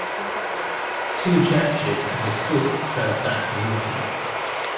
Two churches and a school served that community.